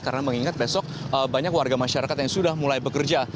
karena mengingat besok banyak warga masyarakat yang sudah mulai bekerja